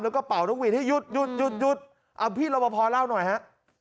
แล้วก็เป่านกหวีดให้หยุดหยุดหยุดเอาพี่รบพอเล่าหน่อยฮะ